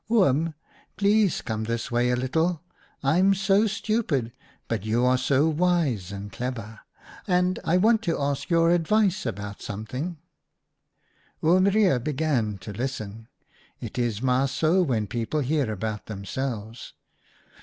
c Oom, please come this way a little : I'm so stupid, but you are so wise and clever, and I want to ask your advice about something/ " Oom Reijer began to listen. It is maar HERON HAS CROOKED NECK 125 so when people hear about themselves.